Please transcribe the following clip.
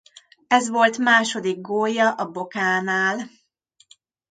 Ez volt második gólja a Bocánál.